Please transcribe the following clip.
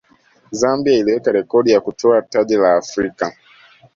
zambia iliweka rekodi kwa kutwaa taji la afrika